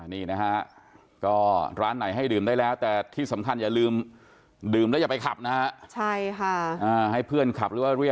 นี่นะฮะก็ร้านไหนให้ดื่มได้แล้วแต่ที่สำคัญอย่าลืมดื่มแล้วอย่าไปขับนะฮะ